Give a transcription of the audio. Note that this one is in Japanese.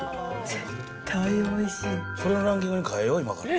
絶対おいしい。